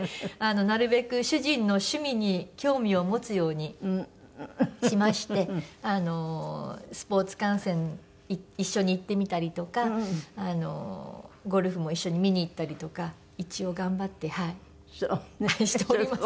なるべく主人の趣味に興味を持つようにしましてスポーツ観戦一緒に行ってみたりとかゴルフも一緒に見に行ったりとか一応頑張ってしております。